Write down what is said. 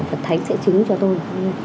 phật thánh sẽ trứng cho tôi